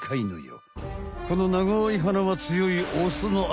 この長い鼻は強いオスの証。